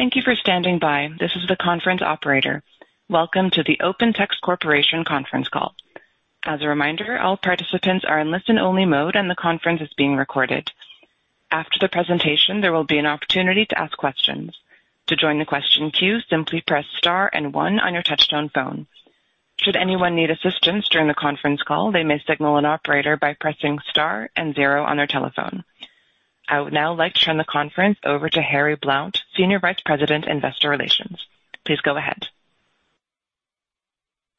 Thank you for standing by. This is the conference operator. Welcome to the OpenText Corporation Conference Call. As a reminder, all participants are in listen only mode and the conference is being recorded. After the presentation, there will be an opportunity to ask questions. To join the question queue, simply press star and one on your touchtone phone. Should anyone need assistance during the conference call, they may signal an operator by pressing star and zero on their telephone. I would now like to turn the conference over to Harry Blount, Senior Vice President, Investor Relations. Please go ahead.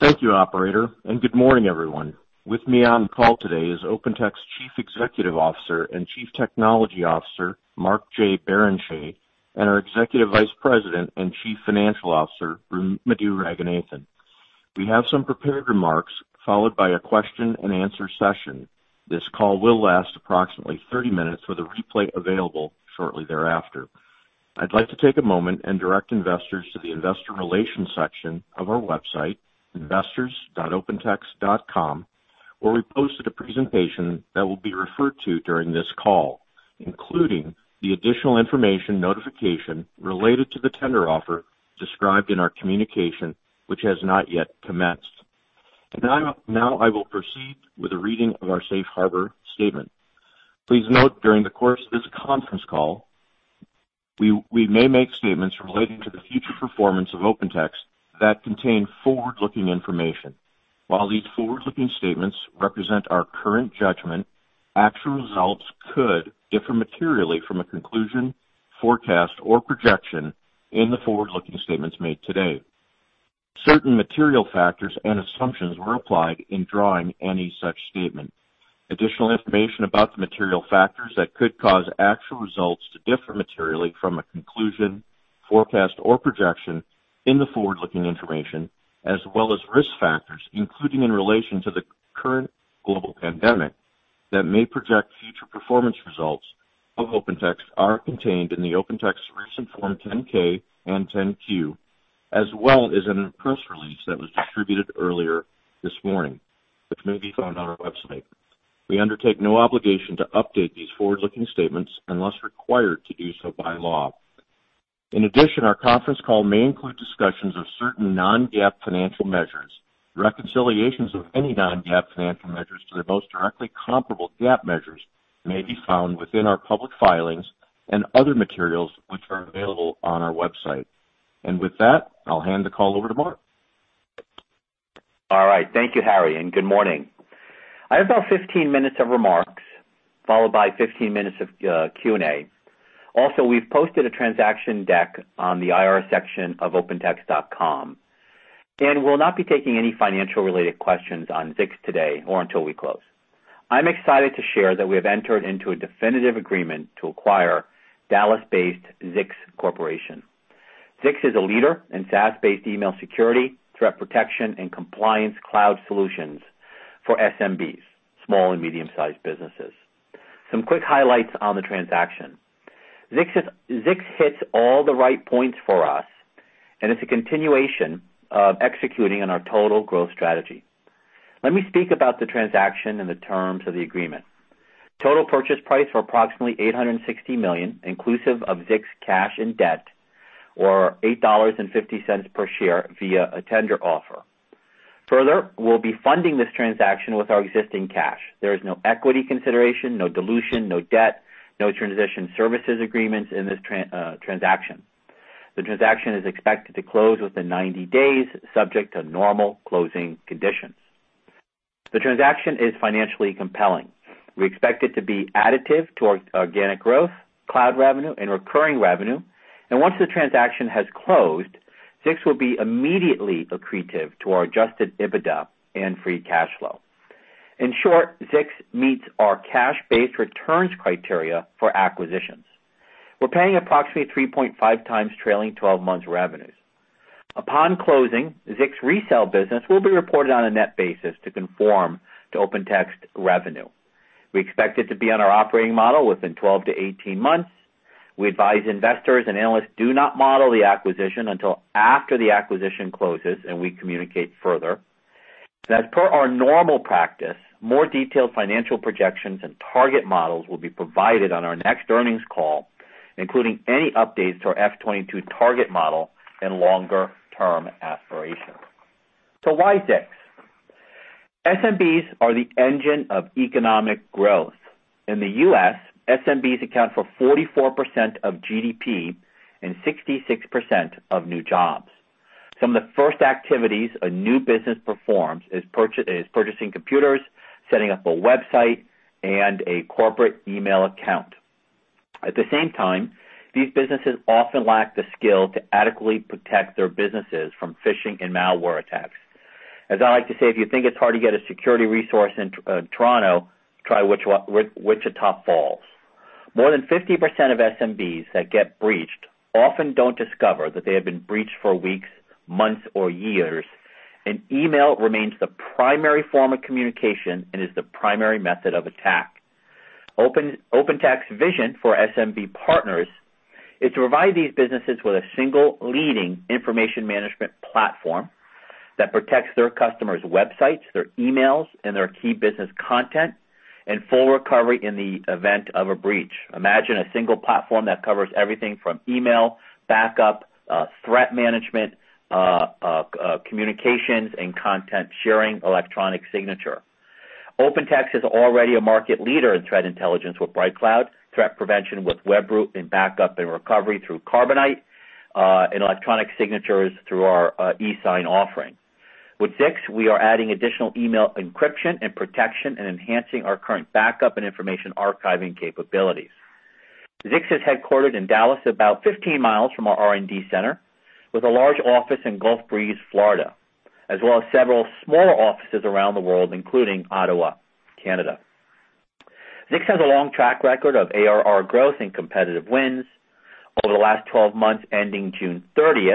Thank you, Operator, and good morning, everyone. With me on the call today is OpenText's Chief Executive Officer and Chief Technology Officer, Mark J. Barrenechea, and our Executive Vice President and Chief Financial Officer, Madhu Ranganathan. We have some prepared remarks followed by a question and answer session. This call will last approximately 30 minutes with a replay available shortly thereafter. I'd like to take a moment and direct investors to the investor relations section of our website, investors.opentext.com, where we posted a presentation that will be referred to during this call, including the additional information notification related to the tender offer described in our communication, which has not yet commenced. Now I will proceed with a reading of our safe harbor statement. Please note during the course of this conference call, we may make statements relating to the future performance of OpenText that contain forward-looking information. While these forward-looking statements represent our current judgment, actual results could differ materially from a conclusion, forecast, or projection in the forward-looking statements made today. Certain material factors and assumptions were applied in drawing any such statement. Additional information about the material factors that could cause actual results to differ materially from a conclusion, forecast, or projection in the forward-looking information, as well as risk factors, including in relation to the current global pandemic that may impact future performance results of OpenText, are contained in OpenText's recent Form 10-K and 10-Q, as well as in a press release that was distributed earlier this morning, which may be found on our website. We undertake no obligation to update these forward-looking statements unless required to do so by law. In addition, our conference call may include discussions of certain non-GAAP financial measures. Reconciliations of any non-GAAP financial measures to the most directly comparable GAAP measures may be found within our public filings and other materials, which are available on our website. With that, I'll hand the call over to Mark. All right, thank you, Harry, and good morning. I have about 15 minutes of remarks, followed by 15 minutes of Q&A. Also, we've posted a transaction deck on the IR section of opentext.com. We'll not be taking any financial related questions on Zix today or until we close. I'm excited to share that we have entered into a definitive agreement to acquire Dallas-based Zix Corporation. Zix is a leader in SaaS-based email security, threat protection, and compliance cloud solutions for SMBs, Small and Medium-sized businesses. Some quick highlights on the transaction. Zix hits all the right points for us and it's a continuation of executing on our total growth strategy. Let me speak about the transaction and the terms of the agreement. Total purchase price for approximately $860 million, inclusive of Zix cash and debt, or $8.50 per share via a tender offer. Further, we'll be funding this transaction with our existing cash. There is no equity consideration, no dilution, no debt, no transition services agreements in this transaction. The transaction is expected to close within 90 days, subject to normal closing conditions. The transaction is financially compelling. We expect it to be additive to our organic growth, cloud revenue and recurring revenue. Once the transaction has closed, Zix will be immediately accretive to our adjusted EBITDA and free cash flow. In short, Zix meets our cash-based returns criteria for acquisitions. We're paying approximately 3.5x trailing 12 month revenues. Upon closing, Zix resale business will be reported on a net basis to conform to OpenText revenue. We expect it to be on our operating model within 12-18 months. We advise Investors and Analysts do not model the acquisition until after the acquisition closes and we communicate further. As per our normal practice, more detailed financial projections and target models will be provided on our next earnings call, including any updates to our FY 2022 target model and longer term aspirations. Why Zix? SMBs are the engine of economic growth. In the U.S., SMBs account for 44% of GDP and 66% of new jobs. Some of the first activities a new business performs is purchasing computers, setting up a website and a corporate email account. At the same time, these businesses often lack the skill to adequately protect their businesses from phishing and malware attacks. As I like to say, if you think it's hard to get a security resource in Toronto, try Wichita Falls. More than 50% of SMBs that get breached often don't discover that they have been breached for weeks, months, or years. Email remains the primary form of communication and is the primary method of attack. OpenText vision for SMB partners is to provide these businesses with a single leading information management platform that protects their customers' websites, their emails, and their key business content, and full recovery in the event of a breach. Imagine a single platform that covers everything from email, backup, threat management, communications and content sharing, electronic signature. OpenText is already a market leader in threat intelligence with BrightCloud, threat prevention with Webroot, and backup and recovery through Carbonite, and electronic signatures through our eSign offering. With Zix, we are adding additional email encryption and protection and enhancing our current backup and information archiving capabilities. Zix is headquartered in Dallas, about 15 miles from our R&D center, with a large office in Gulf Breeze, Florida, as well as several smaller offices around the world, including Ottawa, Canada. Zix has a long track record of ARR growth and competitive wins. Over the last 12 months, ending June 30,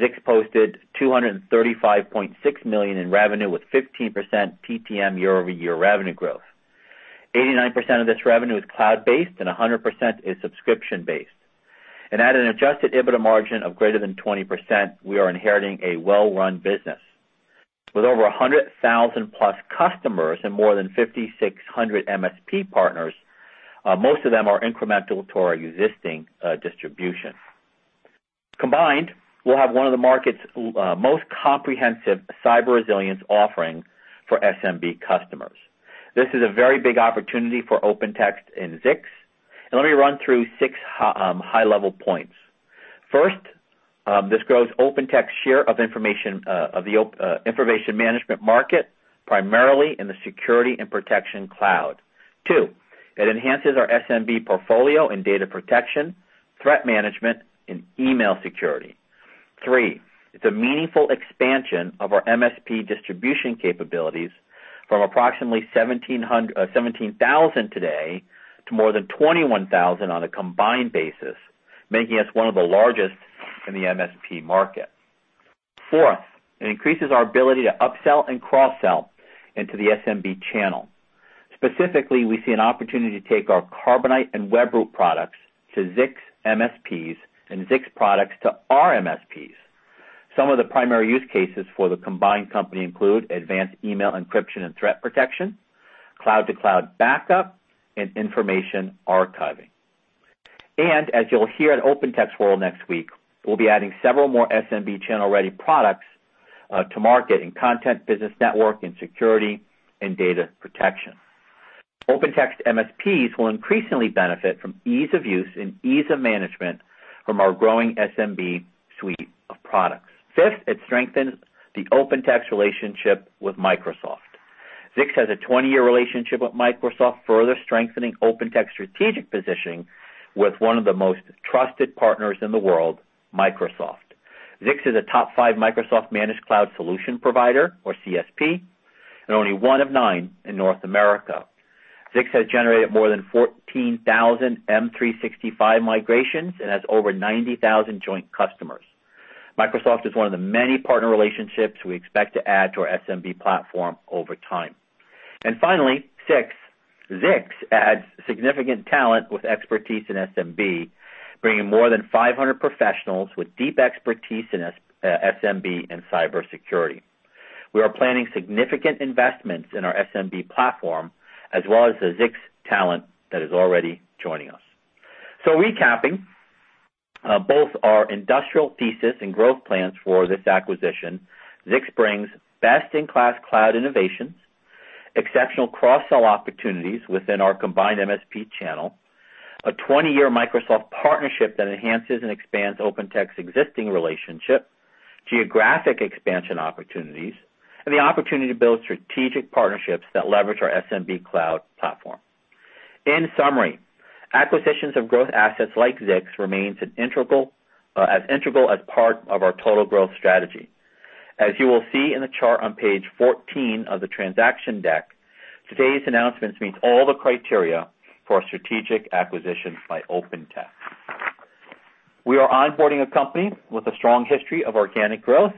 Zix posted $235.6 million in revenue with 15% TTM year-over-year revenue growth. 89% of this revenue is cloud-based, and 100% is subscription-based. At an adjusted EBITDA margin of greater than 20%, we are inheriting a well-run business. With over 100,000+ customers and more than 5,600 MSP partners, most of them are incremental to our existing distribution. Combined, we'll have one of the market's most comprehensive cyber resilience offering for SMB customers. This is a very big opportunity for OpenText and Zix, and let me run through six high-level points. First, this grows OpenText's share of the information management market, primarily in the security and protection cloud. Two, it enhances our SMB portfolio in data protection, threat management, and email security. Three, it's a meaningful expansion of our MSP distribution capabilities from approximately 17,000 today to more than 21,000 on a combined basis, making us one of the largest in the MSP market. Fourth, it increases our ability to upsell and cross-sell into the SMB channel. Specifically, we see an opportunity to take our Carbonite and Webroot products to Zix MSPs and Zix products to our MSPs. Some of the primary use cases for the combined company include advanced email encryption and threat protection, cloud-to-cloud backup, and information archiving. As you'll hear at OpenText World next week, we'll be adding several more SMB channel-ready products to market in content business network, in security, and data protection. OpenText MSPs will increasingly benefit from ease of use and ease of management from our growing SMB suite of products. Fifth, it strengthens the OpenText relationship with Microsoft. Zix has a 20 year relationship with Microsoft, further strengthening OpenText's strategic positioning with one of the most trusted partners in the world, Microsoft. Zix is a top 5 Microsoft Managed Cloud Solution Provider, or CSP, and only one of nine in North America. Zix has generated more than 14,000 M365 migrations and has over 90,000 joint customers. Microsoft is one of the many partner relationships we expect to add to our SMB platform over time. Finally, six, Zix adds significant talent with expertise in SMB, bringing more than 500 professionals with deep expertise in SMB and cybersecurity. We are planning significant investments in our SMB platform, as well as the Zix talent that is already joining us. Recapping, both our industrial thesis and growth plans for this acquisition, Zix brings best-in-class cloud innovations, exceptional cross-sell opportunities within our combined MSP channel, a 20 year Microsoft partnership that enhances and expands OpenText's existing relationship, geographic expansion opportunities, and the opportunity to build strategic partnerships that leverage our SMB cloud platform. In summary, acquisitions of growth assets like Zix remains an integral, as integral as part of our total growth strategy. As you will see in the chart on page 14 of the transaction deck, today's announcements meet all the criteria for a strategic acquisition by OpenText. We are onboarding a company with a strong history of organic growth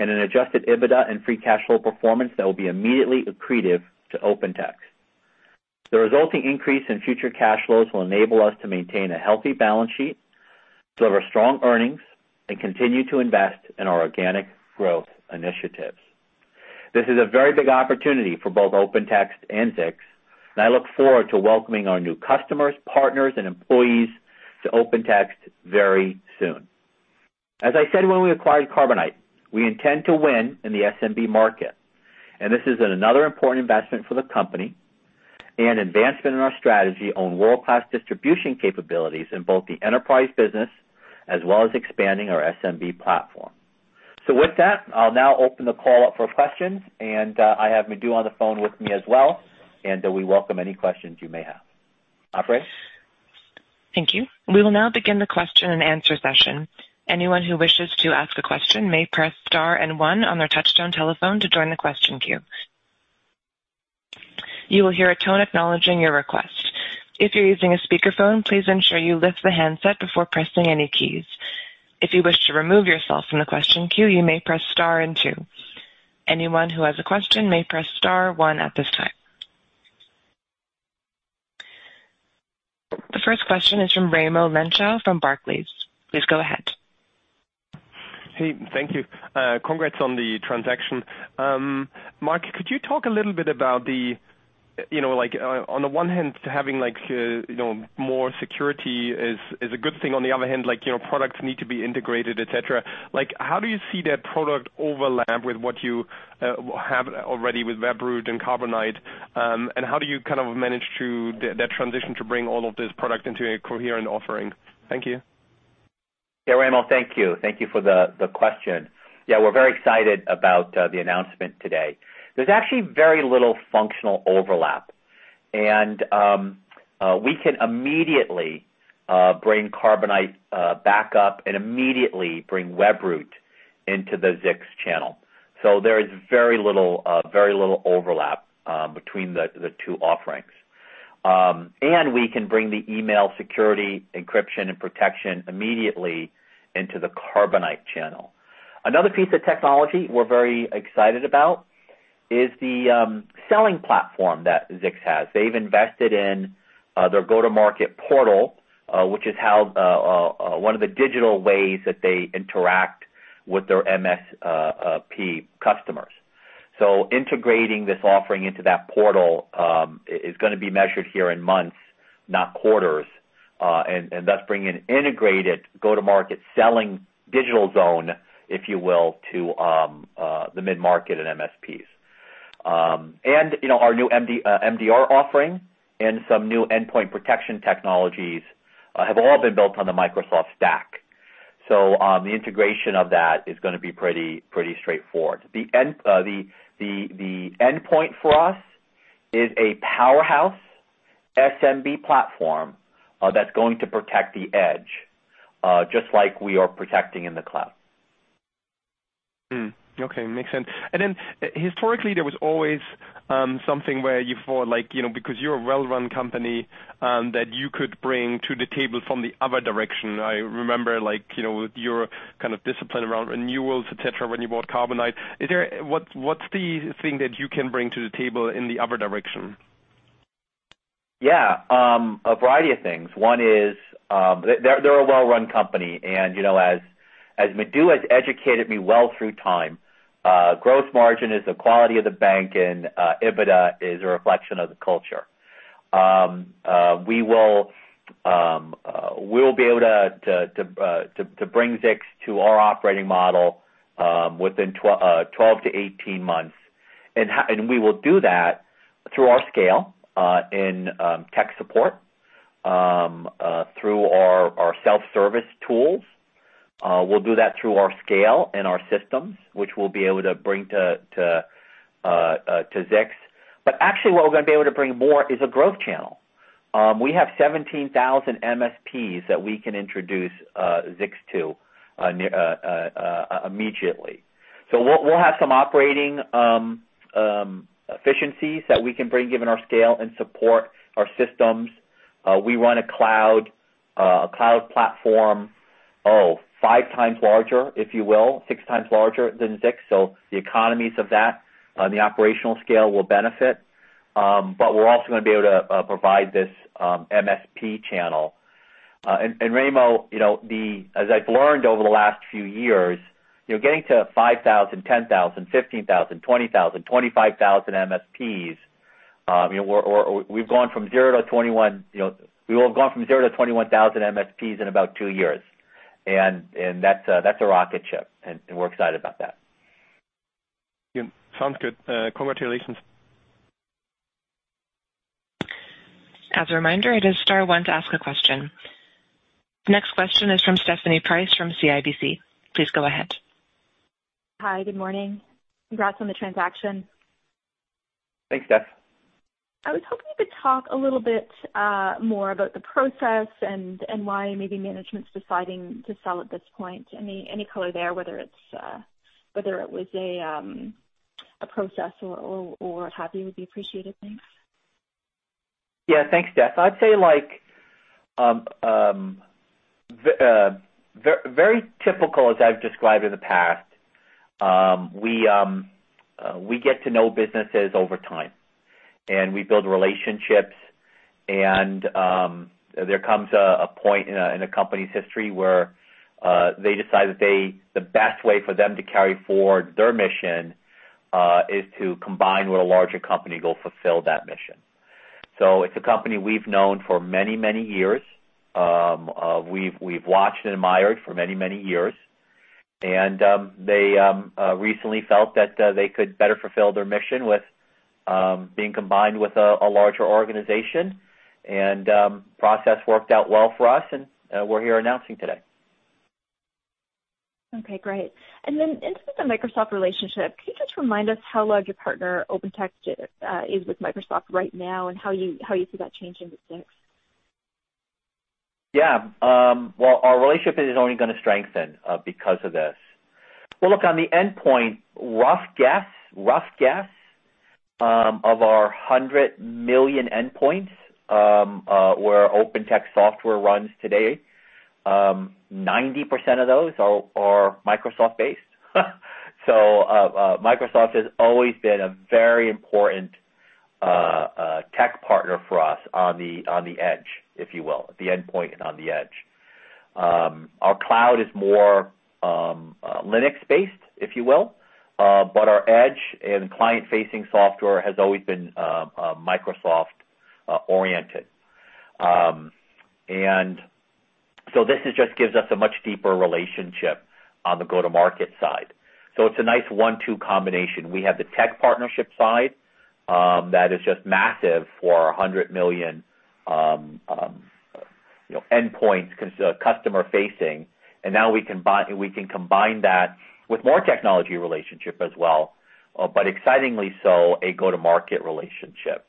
and an adjusted EBITDA and free cash flow performance that will be immediately accretive to OpenText. The resulting increase in future cash flows will enable us to maintain a healthy balance sheet, deliver strong earnings, and continue to invest in our organic growth initiatives. This is a very big opportunity for both OpenText and Zix, and I look forward to welcoming our new customers, partners, and employees to OpenText very soon. As I said when we acquired Carbonite, we intend to win in the SMB market, and this is another important investment for the company and advancement in our strategy on world-class distribution capabilities in both the enterprise business as well as expanding our SMB platform. With that, I'll now open the call up for questions and, I have Madhu on the phone with me as well, and, we welcome any questions you may have. Operator? Thank you. We will now begin the question and answer session. Anyone who wishes to ask a question may press star and one on their touchtone telephone to join the question queue. You will hear a tone acknowledging your request. If you're using a speakerphone, please ensure you lift the handset before pressing any keys. If you wish to remove yourself from the question queue, you may press star and two. Anyone who has a question may press star one at this time. The first question is from Raimo Lenschow from Barclays. Please go ahead. Hey, thank you. Congrats on the transaction. Mark, could you talk a little bit about the, you know, like on the one hand to having like, you know, more security is a good thing, on the other hand, like, you know, products need to be integrated, et cetera. Like, how do you see that product overlap with what you have already with Webroot and Carbonite? And how do you kind of manage through that transition to bring all of this product into a coherent offering? Thank you. Yeah, Raimo, thank you. Thank you for the question. Yeah, we're very excited about the announcement today. There's actually very little functional overlap and we can immediately bring Carbonite backup and immediately bring Webroot into the Zix channel. There is very little overlap between the two offerings. We can bring the email security, encryption, and protection immediately into the Carbonite channel. Another piece of technology we're very excited about is the selling platform that Zix has. They've invested in their go-to-market portal, which is how one of the digital ways that they interact with their MSP customers. Integrating this offering into that portal is gonna be measured here in months, not quarters. Thus bringing an integrated go-to-market selling digital zone, if you will, to the mid-market and MSPs. You know, our new MDR offering and some new endpoint protection technologies have all been built on the Microsoft stack. The integration of that is gonna be pretty straightforward. The endpoint for us is a powerhouse SMB platform that's going to protect the edge just like we are protecting in the cloud. Okay. Makes sense. Historically, there was always something where you felt like, you know, because you're a well-run company, that you could bring to the table from the other direction. I remember like, you know, your kind of discipline around renewals, et cetera, when you bought Carbonite. What's the thing that you can bring to the table in the other direction? Yeah. A variety of things. One is, they're a well-run company and, you know, as Madhu has educated me well through time, growth margin is the quality of the bank and, EBITDA is a reflection of the culture. We will be able to bring Zix to our operating model within 12-18 months. We will do that through our scale in tech support, through our self-service tools. We'll do that through our scale and our systems, which we'll be able to bring to Zix. But actually, what we're gonna be able to bring more is a growth channel. We have 17,000 MSPs that we can introduce Zix to immediately. We'll have some operating efficiencies that we can bring given our scale and support our systems. We run a cloud platform five times larger, if you will, six times larger than Zix. The economies of that, the operational scale will benefit. But we're also gonna be able to provide this MSP channel. And Raimo, you know, as I've learned over the last few years, you know, getting to 5,000, 10,000, 15,000, 20,000, 25,000 MSPs, you know, or we've gone from zero to 21,000 MSPs in about two years. That's a rocket ship, and we're excited about that. Yeah. Sounds good. Congratulations. As a reminder, it is star one to ask a question. Next question is from Stephanie Price from CIBC. Please go ahead. Hi. Good morning. Congrats on the transaction. Thanks, Steph. I was hoping you could talk a little bit more about the process and why maybe management's deciding to sell at this point. Any color there, whether it was a process or what have you, would be appreciated. Thanks. Yeah. Thanks, Steph. I'd say like, very typical as I've described in the past. We get to know businesses over time, and we build relationships, and there comes a point in a company's history where they decide that the best way for them to carry forward their mission is to combine with a larger company to fulfill that mission. It's a company we've known for many, many years. We've watched and admired for many, many years. They recently felt that they could better fulfill their mission with being combined with a larger organization. Process worked out well for us, and we're here announcing today. Okay, great. In terms of the Microsoft relationship, can you just remind us how large a partner OpenText is with Microsoft right now and how you see that changing with Zix? Yeah. Well, our relationship is only gonna strengthen because of this. Well, look, on the endpoint, rough guess of our 100 million endpoints where OpenText software runs today, 90% of those are Microsoft-based. Microsoft has always been a very important tech partner for us on the edge, if you will, the endpoint and on the edge. Our cloud is more Linux-based, if you will. But our edge and client-facing software has always been Microsoft oriented. This just gives us a much deeper relationship on the go-to-market side. It's a nice one-two combination. We have the tech partnership side that is just massive for a 100 million you know, endpoints, customer facing. We can combine that with more technology relationship as well, but excitingly so a go-to-market relationship.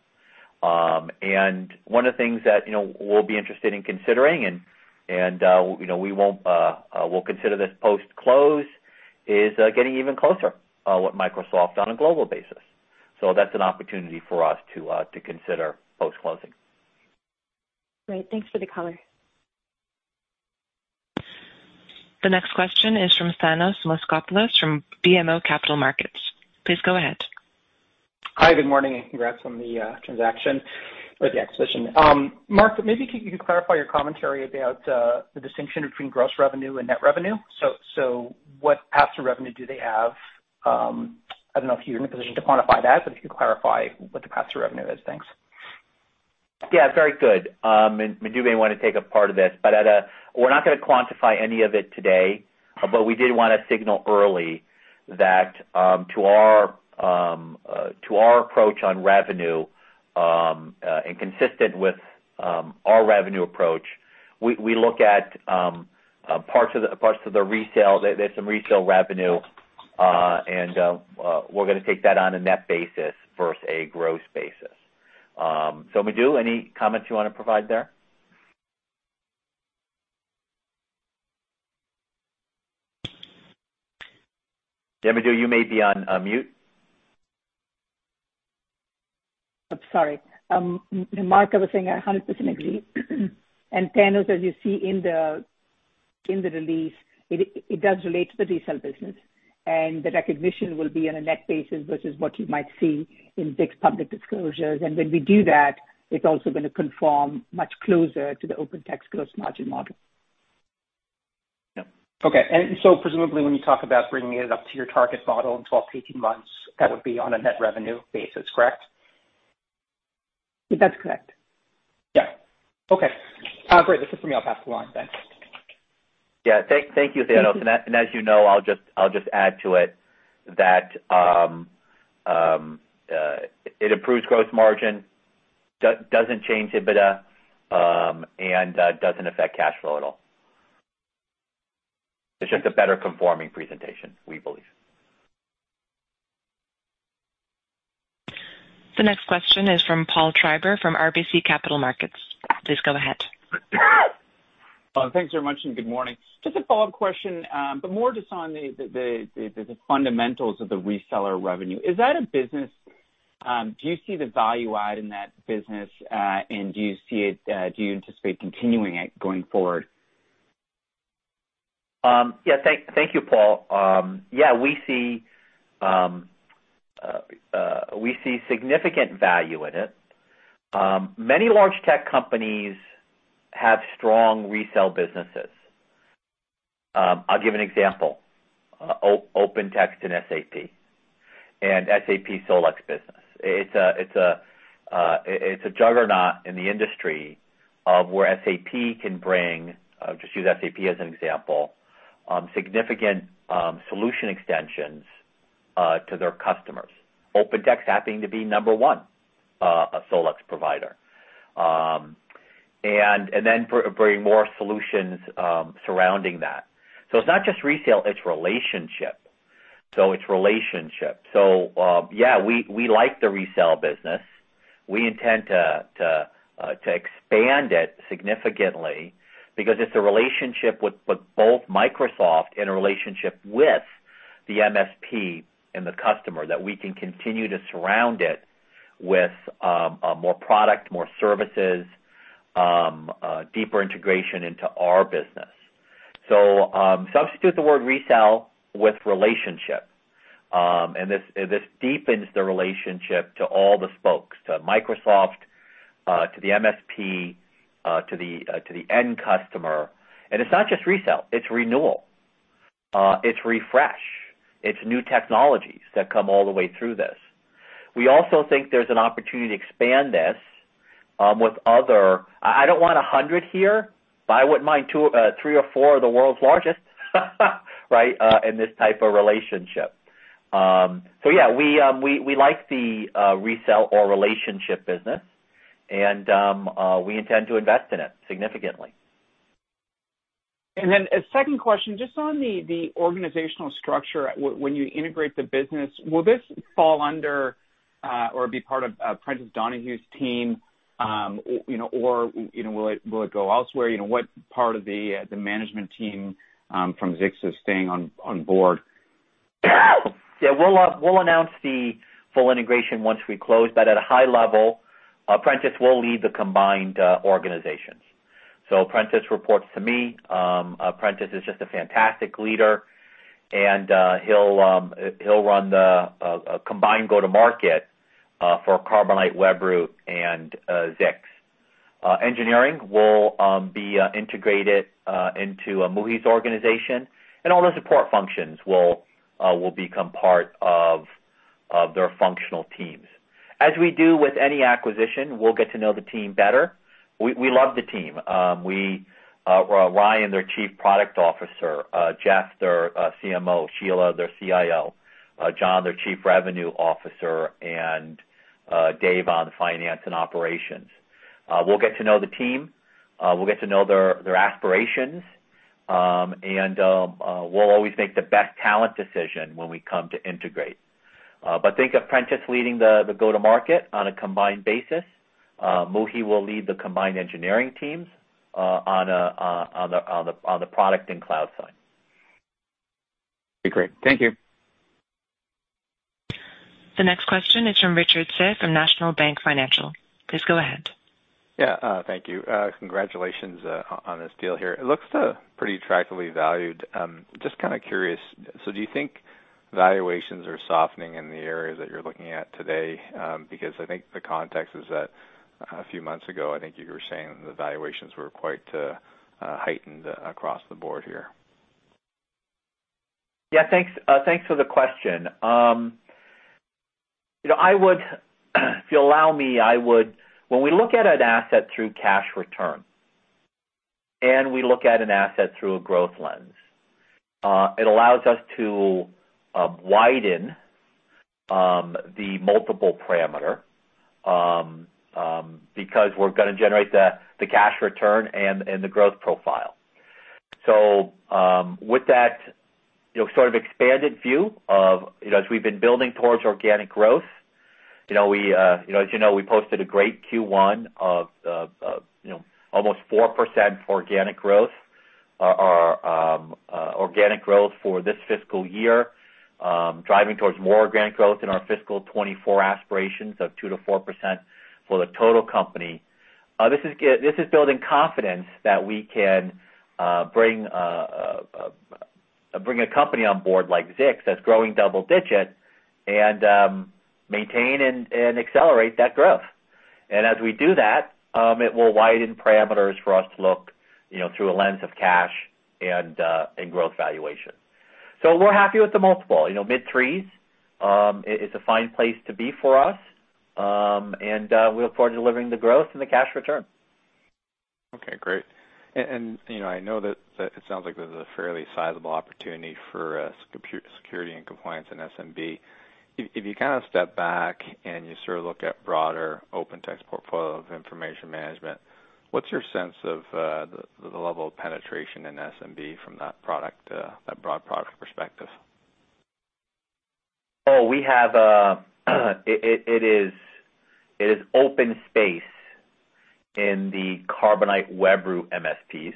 One of the things that, you know, we'll be interested in considering and, you know, we'll consider this post-close, is getting even closer with Microsoft on a global basis. That's an opportunity for us to consider post-closing. Great. Thanks for the color. The next question is from Thanos Moschopoulos from BMO Capital Markets. Please go ahead. Hi, good morning, and congrats on the transaction or the acquisition. Mark, maybe could you clarify your commentary about the distinction between gross revenue and net revenue? What paths to revenue do they have? I don't know if you're in a position to quantify that, but if you could clarify what the paths to revenue is. Thanks. Yeah, very good. Madhu may wanna take a part of this, but we're not gonna quantify any of it today, but we did wanna signal early that to our approach on revenue and consistent with our revenue approach, we look at parts of the resale. There's some resale revenue, and we're gonna take that on a net basis versus a gross basis. So Madhu, any comments you wanna provide there? Madhu, you may be on mute. Sorry. Mark, I was saying I 100% agree. Thanos, as you see in the release, it does relate to the resale business, and the recognition will be on a net basis versus what you might see in big public disclosures. When we do that, it's also gonna conform much closer to the OpenText gross margin model. Yep. Okay. Presumably when you talk about bringing it up to your target model in 12-18 months, that would be on a net revenue basis, correct? That's correct. Yeah. Okay. Great. This is for me. I'll pass the line. Thanks. Yeah. Thank you, Thanos. As you know, I'll just add to it that it improves gross margin, doesn't change EBITDA, and doesn't affect cash flow at all. It's just a better conforming presentation, we believe. The next question is from Paul Treiber from RBC Capital Markets. Please go ahead. Well, thanks very much, and good morning. Just a follow-up question, but more just on the fundamentals of the reseller revenue. Is that a business? Do you see the value add in that business, and do you anticipate continuing it going forward? Yeah. Thank you, Paul. Yeah, we see significant value in it. Many large tech companies have strong resale businesses. I'll give an example. OpenText and SAP, and SAP SolEx business. It's a juggernaut in the industry of where SAP can bring, just use SAP as an example, significant solution extensions to their customers. OpenText happening to be number one of SolEx provider. Then bring more solutions surrounding that. It's not just resale, it's relationship. Yeah, we like the resale business. We intend to expand it significantly because it's a relationship with both Microsoft and a relationship with the MSP and the customer that we can continue to surround it with more product, more services, deeper integration into our business. Substitute the word resale with relationship. This deepens the relationship to all the spokes, to Microsoft, to the MSP, to the end customer. It's not just resale, it's renewal, it's refresh, it's new technologies that come all the way through this. We also think there's an opportunity to expand this with other. I don't want 100 here, but I wouldn't mind two, three or four of the world's largest right in this type of relationship. We like the resale or relationship business and we intend to invest in it significantly. A second question, just on the organizational structure, when you integrate the business, will this fall under or be part of Prentiss Donohue's team, you know, or, you know, will it go elsewhere? You know, what part of the management team from Zix is staying on board? Yeah, we'll announce the full integration once we close. At a high level, Prentiss will lead the combined organizations. Prentiss reports to me. Prentiss is just a fantastic leader, and he'll run the combined go-to-market for Carbonite, Webroot, and Zix. Engineering will be integrated into Muhi's organization, and all the support functions will become part of their functional teams. As we do with any acquisition, we'll get to know the team better. We love the team. Ryan, their Chief Product Officer, Jeff, their CMO, Sheila, their CIO, John, their Chief Revenue Officer, and Dave on finance and operations. We'll get to know the team. We'll get to know their aspirations. We'll always make the best talent decision when we come to integrate. Think of Prentiss leading the go-to-market on a combined basis. Muhi will lead the combined engineering teams on the product and cloud side. Okay, great. Thank you. The next question is from Richard Tse from National Bank Financial. Please go ahead. Yeah. Thank you. Congratulations on this deal here. It looks pretty attractively valued. Just kind of curious. Do you think valuations are softening in the areas that you're looking at today? Because I think the context is that a few months ago, I think you were saying the valuations were quite heightened across the board here. Yeah, thanks. Thanks for the question. You know, if you allow me, when we look at an asset through cash return, and we look at an asset through a growth lens, it allows us to widen the multiple parameter because we're gonna generate the cash return and the growth profile. With that, you know, sort of expanded view of, you know, as we've been building towards organic growth, you know, we, you know, as you know, we posted a great Q1 of, you know, almost 4% organic growth. Our organic growth for this fiscal year driving towards more organic growth in our fiscal 2024 aspirations of 2%-4% for the total company. This is building confidence that we can bring a company on board like Zix that's growing double-digit and maintain and accelerate that growth. As we do that, it will widen parameters for us to look, you know, through a lens of cash and growth valuation. We're happy with the multiple. You know, mid-threes, it's a fine place to be for us, and we look forward to delivering the growth and the cash return. Okay, great. You know, I know that it sounds like this is a fairly sizable opportunity for security and compliance in SMB. If you kind of step back and you sort of look at broader OpenText portfolio of information management, what's your sense of the level of penetration in SMB from that product, that broad product perspective? It is open space in the Carbonite Webroot MSPs.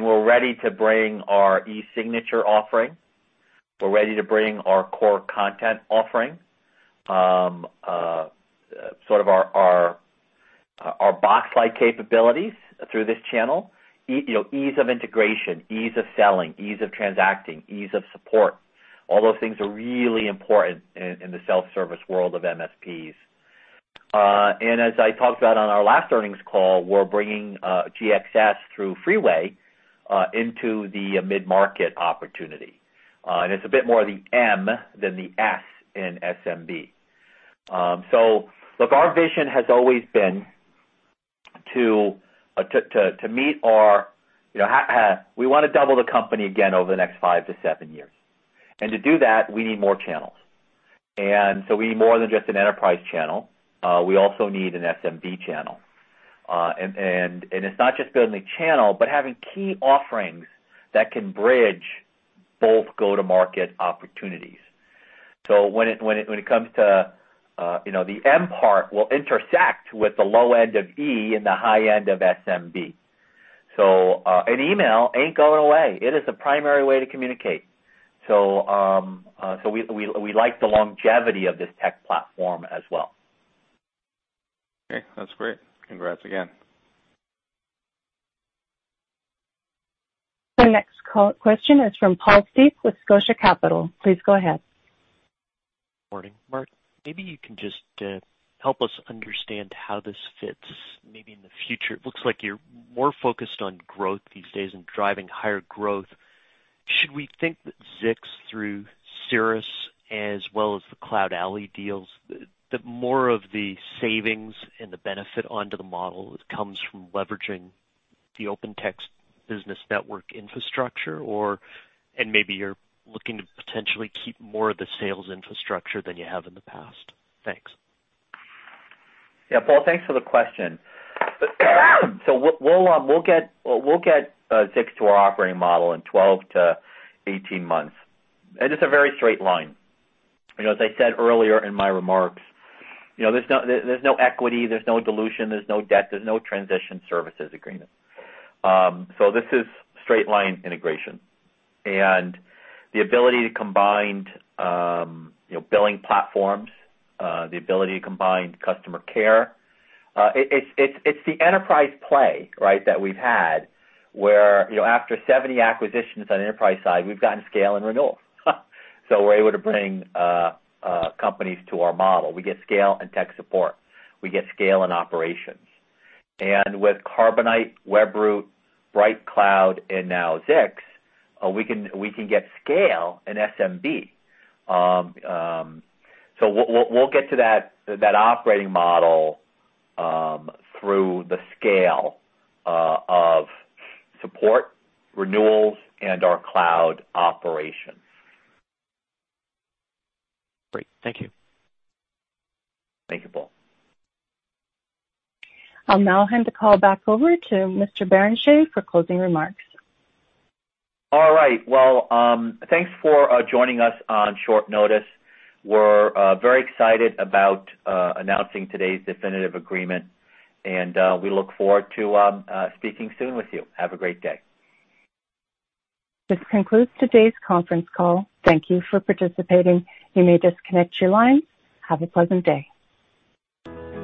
We're ready to bring our e-signature offering. We're ready to bring our core content offering, sort of our box-like capabilities through this channel. You know, ease of integration, ease of selling, ease of transacting, ease of support, all those things are really important in the self-service world of MSPs. As I talked about on our last earnings call, we're bringing GXS through Freeway into the mid-market opportunity. It's a bit more the M than the S in SMB. Look, our vision has always been to meet our. You know, we want to double the company again over the next five to seven years. To do that, we need more channels. We need more than just an enterprise channel. We also need an SMB channel. It's not just building a channel, but having key offerings that can bridge both go-to-market opportunities. When it comes to, you know, the M part will intersect with the low end of E and the high end of SMB. Email ain't going away. It is the primary way to communicate. We like the longevity of this tech platform as well. Okay, that's great. Congrats again. The next question is from Paul Steep with Scotia Capital. Please go ahead. Morning. Mark, maybe you can just help us understand how this fits maybe in the future. It looks like you're more focused on growth these days and driving higher growth. Should we think that Zix through Cirrus as well as the CloudAlly deals, that more of the savings and the benefit onto the model comes from leveraging the OpenText business network infrastructure, or maybe you're looking to potentially keep more of the sales infrastructure than you have in the past? Thanks. Yeah. Paul, thanks for the question. We'll get Zix to our operating model in 12-18 months. It's a very straight line. You know, as I said earlier in my remarks, you know, there's no equity, there's no dilution, there's no debt, there's no transition services agreement. This is straight-line integration. The ability to combine, you know, billing platforms, the ability to combine customer care, it's the enterprise play, right, that we've had where, you know, after 70 acquisitions on the enterprise side, we've gotten scale and renewal. We're able to bring companies to our model. We get scale and tech support. We get scale and operations. With Carbonite, Webroot, BrightCloud, and now Zix, we can get scale in SMB. We'll get to that operating model through the scale of support, renewals, and our cloud operations. Great. Thank you. Thank you, Paul. I'll now hand the call back over to Mr. Barrenechea for closing remarks. All right. Well, thanks for joining us on short notice. We're very excited about announcing today's definitive agreement, and we look forward to speaking soon with you. Have a great day. This concludes today's conference call. Thank you for participating. You may disconnect your line. Have a pleasant day.